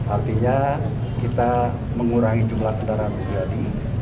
artinya kita mengurangi jumlah kendaraan pribadi